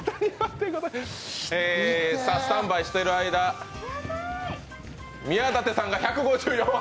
スタンバイしてる間、宮舘さんが１５４杯。